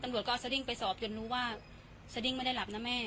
ตำรวจก็เอาสดิ้งไปสอบจนรู้ว่าสดิ้งไม่ได้หลับนะแม่